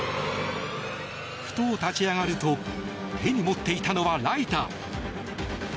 ふと立ち上がると手に持っていたのはライター。